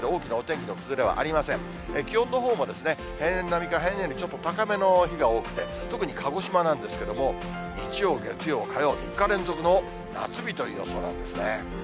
気温のほうも平年並みか、平年よりちょっと高めの日が多くて、特に鹿児島なんですけれども、日曜、月曜、火曜、３日連続の夏日という予想なんですね。